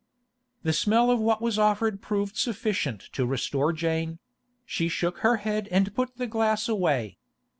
The smell of what was offered her proved sufficient to restore Jane; she shook her head and put the glass away.